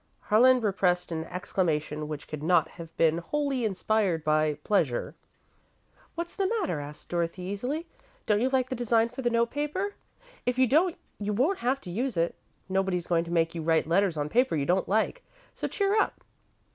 Harlan repressed an exclamation, which could not have been wholly inspired by pleasure. "What's the matter?" asked Dorothy, easily. "Don't you like the design for the note paper? If you don't, you won't have to use it. Nobody's going to make you write letters on paper you don't like, so cheer up."